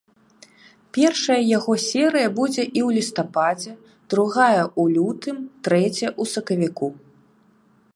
Першая яго серыя будзе і ў лістападзе, другая ў лютым, трэцяя ў сакавіку.